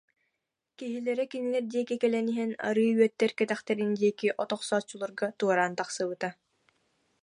Киһилэрэ кинилэр диэки кэлэн иһэн, арыы үөттэр кэтэхтэрин диэки от охсооччуларга туораан тахсыбыта